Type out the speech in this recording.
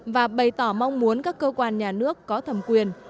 và bày tỏ mong muốn các cơ quan nhà nước có thẩm quyền